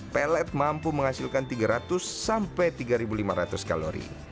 pellet mampu menghasilkan tiga ratus sampai tiga lima ratus kalori